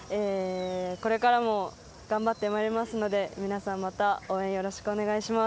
これからも頑張ってまいりますので皆さんまた応援よろしくお願いします。